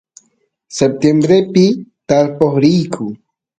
septiembrepi tarpoq riyku